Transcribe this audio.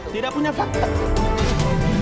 tidak punya fakta